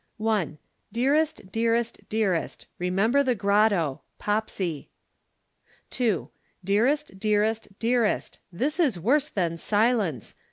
"'1. Dearest, dearest, dearest. Remember the grotto. POPSY. "'2. Dearest, dearest, dearest. This is worse than silence.